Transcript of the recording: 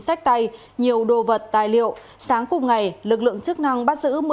sách tay nhiều đồ vật tài liệu sáng cùng ngày lực lượng chức năng bắt giữ